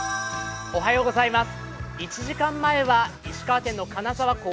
１時間前は石川県の金沢港